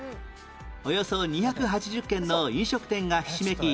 およそ２８０軒の飲食店がひしめき